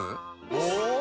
お！